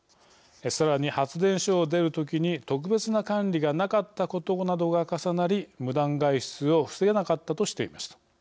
さらに発電所を出るときに特別な管理がなかったことなどが重なり無断外出を防げなかったとしています。